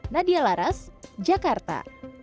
nadia laras jakarta